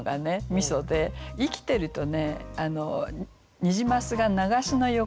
みそで生きてるとね「ニジマスが流しの横で泳いでる」とかね